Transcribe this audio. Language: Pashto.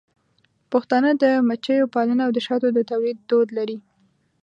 پښتانه د مچیو پالنه او د شاتو د تولید دود لري.